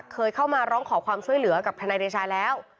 เคยเข้ามาร้องขอความช่วยเหลือกับทนายเดชาแล้ว